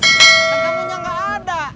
kan kamu nyangka ada